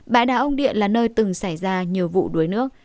bãi đá ông điện là nơi từng xảy ra nhiều vụ đuối nước